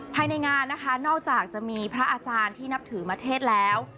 ภายในงานนะคะนอกจากจะมีพระอาจารย์ที่นับถือมเทศแล้ว